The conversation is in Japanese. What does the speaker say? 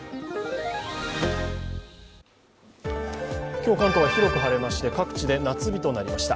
今日、関東は広く晴れまして各地で夏日となりました。